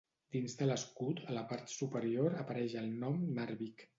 Dins de l'escut a la part superior apareix el nom Narvik.